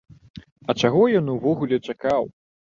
А чаго ён увогуле чакаў?